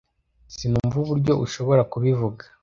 Sinumva uburyo ushobora kubivuga.